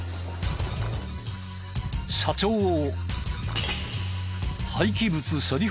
社長を。